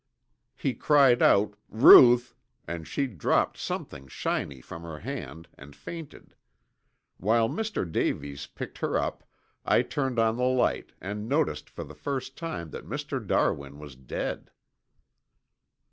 "He cried out, 'Ruth!' and she dropped something shiny from her hand and fainted. While Mr. Davies picked her up I turned on the light and noticed for the first time that Mr. Darwin was dead."